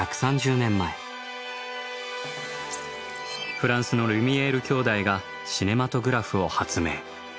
フランスのリュミエール兄弟がシネマトグラフを発明。